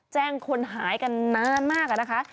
แจ้งคนหายกันนานมากอะนะคะ